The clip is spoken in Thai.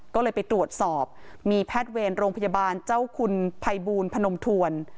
ก็เลยไปตรวจสอบมีแพทย์เวรโรงพยาบาลเจ้าคุณภัยบูลพนมทวน